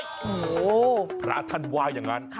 โอ้โหพระท่านว่าอย่างนั้น